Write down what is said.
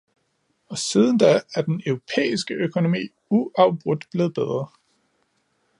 Og siden da er den europæiske økonomi uafbrudt blevet bedre.